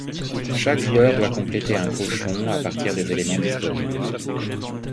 Chaque joueur doit compléter un cochon à partir des éléments disponibles.